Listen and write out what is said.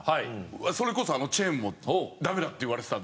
それこそあのチェーンもダメだって言われてたんですよ。